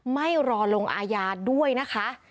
ไม่รอลงอาญาด้วยนะคะ